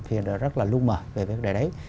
thì rất là lưu mờ về vấn đề đấy